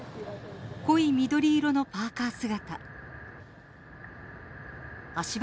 濃い緑色のパーカー姿。